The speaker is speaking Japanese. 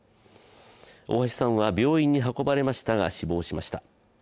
大橋さんは病院に運ばれましたが、死亡しました。